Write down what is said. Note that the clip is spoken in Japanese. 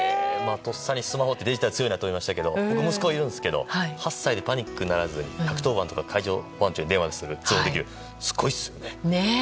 とっさにスマホってデジタルに強いなと思いましたけど僕も息子がいますが８歳でパニックにならず１１０番とか海上保安庁に通報できるってすごいですよね。